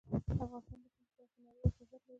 افغانستان د کلي په برخه کې نړیوال شهرت لري.